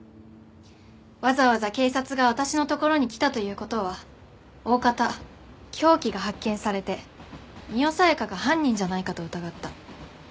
わざわざ警察が私のところに来たという事はおおかた凶器が発見されて深世小夜香が犯人じゃないかと疑った。